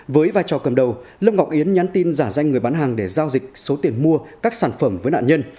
với vai trò cầm đầu lâm ngọc yến nhắn tin giả danh người bán hàng để giao dịch số tiền mua các sản phẩm với nạn nhân